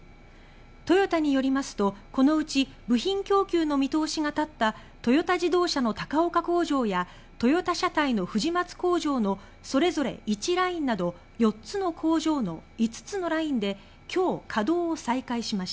トヨタによりますとこのうち部品供給の見通しが立ったトヨタ自動車の高岡工場やトヨタ車体の富士松工場のそれぞれ１ラインなど４つの工場の５つのラインで今日稼働を再開しました。